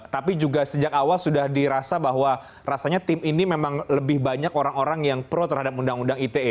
tapi juga sejak awal sudah dirasa bahwa rasanya tim ini memang lebih banyak orang orang yang pro terhadap undang undang ite